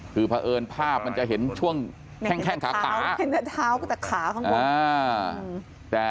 คือพระเอิญภาพมันจะเห็นช่วงแข้งขาขา